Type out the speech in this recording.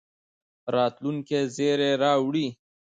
راتلونکي زېری راوړي.